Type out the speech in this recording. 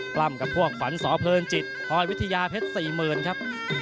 ล้ำกับพวกฝันสอเพลินจิตพลอยวิทยาเพชร๔๐๐๐ครับ